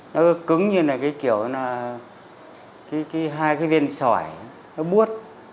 nó cứ cứng như là cái kiểu là hai cái viên sỏi nó buốt